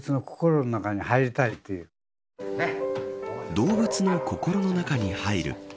動物の心の中に入る。